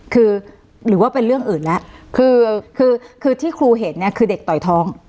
คือหรือว่าเป็นเรื่องอื่นแล้วคือคือที่ครูเห็นเนี่ยคือเด็กต่อยท้อง